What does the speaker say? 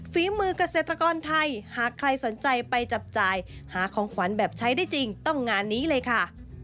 ฝีมือเกษตรกรไทยหากใครสนใจไปจับจ่ายหาของขวัญแบบใช้ได้จริงต้องงานนี้เลยค่ะ